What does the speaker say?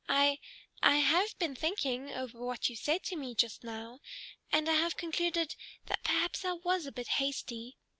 "I I have been thinking over what you said to me just now, and I have concluded that perhaps I was a bit hasty.